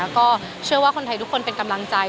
ก็เชื่อว่าคนไทยทุกคนเป็นกำลังใจ